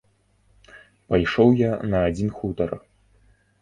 Пайшоў я на адзін хутар.